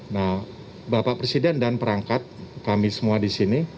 nah bapak presiden dan perangkat kami semua di sini